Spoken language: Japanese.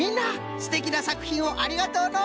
すてきなさくひんをありがとうのう。